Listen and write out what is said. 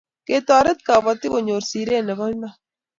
Ketoret kapatik kunyor siret nebo Iman